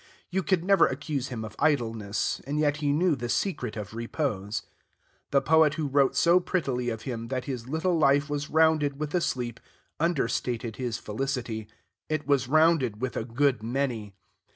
You could never accuse him of idleness, and yet he knew the secret of repose. The poet who wrote so prettily of him that his little life was rounded with a sleep, understated his felicity; it was rounded with a good many.